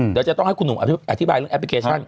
เดี๋ยวจะต้องให้คุณหนุ่มอธิบายเรื่องแอปพลิเคชัน